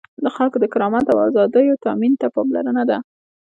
د خلکو د کرامت او آزادیو تأمین ته پاملرنه ده.